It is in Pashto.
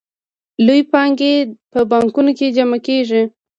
لویې پانګې په بانکونو کې جمع کېږي